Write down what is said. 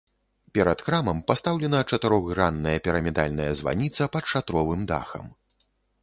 Перад храмам пастаўлена чатырохгранная пірамідальная званіца пад шатровым дахам.